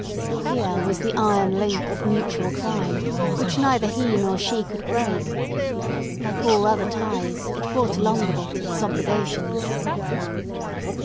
Here was the iron link of mutual crime, which neither he nor she could break. Like all other ties, it brought along with it its obligations.